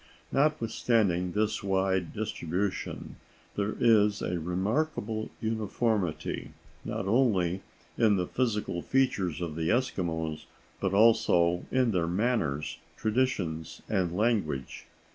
Notwithstanding this wide distribution, there is a remarkable uniformity, not only in the physical features of the Eskimos, but also in their manners, traditions, and language.